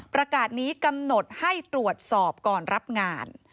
ประกาศนี้กำหนดให้ตรวจสอบก่อนรับงาน